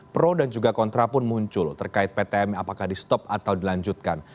pro dan juga kontra pun muncul terkait ptm apakah di stop atau dilanjutkan